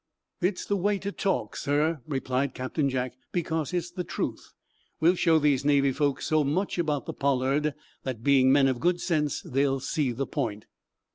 "It's the way to talk, sir," replied Captain Jack, "because it's the truth. We'll show these Navy folks so much about the 'Pollard' that, being men of good sense, they'll see the point."